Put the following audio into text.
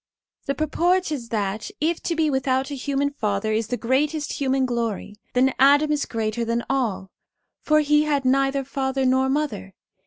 The purport is that, if to be without a human father is the greatest human glory, then Adam is greater than all, for he had neither father nor mother.